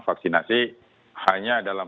vaksinasi hanya dalam